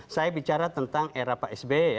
saya bicara tentang era pak sby